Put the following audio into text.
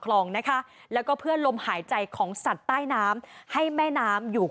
คลองนะคะแล้วก็เพื่อลมหายใจของสัตว์ใต้น้ำให้แม่น้ำอยู่